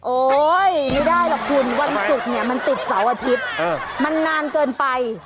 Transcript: โอ๊ยไม่ได้หรอกคุณวันศุกร์เนี่ยมันติดเสาร์อาทิตย์มันนานเกินไป